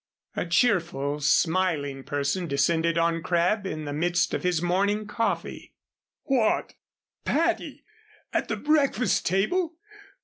A cheerful, smiling person descended on Crabb in the midst of his morning coffee. "What! Patty! At the breakfast table?